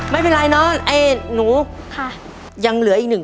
ไม่เป็นไรน้อนหนูยังเหลืออีก๑ข้อ